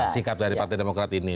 sikat dari partai demokrat ini